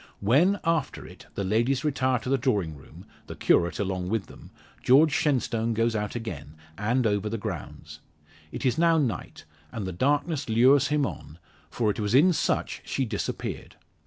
When, after it, the ladies retire to the drawing room the curate along with them George Shenstone goes out again, and over the grounds. It is now night, and the darkness lures him on; for it was in such she disappeared.